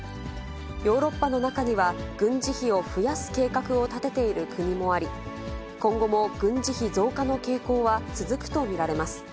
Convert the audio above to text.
ヨーロッパの中には、軍事費を増やす計画を立てている国もあり、今後も軍事費増加の傾向は続くと見られます。